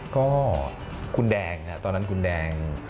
ก็คุณแดงตอนนั้นคุณแดง